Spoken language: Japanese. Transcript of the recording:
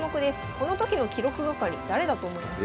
この時の記録係誰だと思いますか？